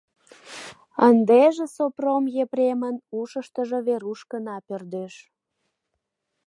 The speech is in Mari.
Ындыже Сопром Епремын ушыштыжо Веруш гына пӧрдеш.